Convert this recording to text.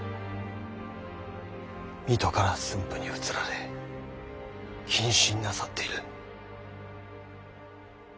水戸から駿府に移られ謹慎なさっている。